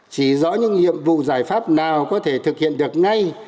chỉ rõ những nhiệm vụ giải pháp nào có thể thực hiện được ngay